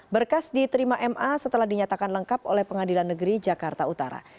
berkas diterima ma setelah dinyatakan lengkap oleh pengadilan negeri jakarta utara